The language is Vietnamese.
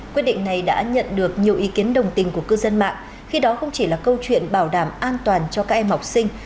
quyết định này đã nhận được nhiều ý kiến đồng tình của cư dân mạng khi đó không chỉ là câu chuyện bảo đảm an toàn cho các em học sinh